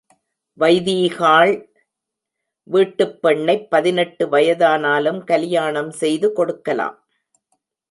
வைதீகாள் விட்டுப் பெண்ணைப் பதினெட்டு வயதானாலும் கலியாணம் செய்து கொடுக்கலாம்.